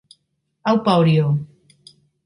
Aupa Orio